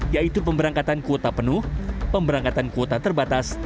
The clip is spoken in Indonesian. yaitu pemberangkatan kuota penuh pemberangkatan kuota terbatas